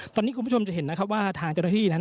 ตอนนี้คุณผู้ชมจะเห็นนะครับว่าทางเจ้าหน้าที่นั้น